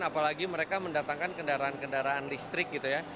semakin banyak brand apalagi mereka mendatangkan kendaraan kendaraan listrik gitu ya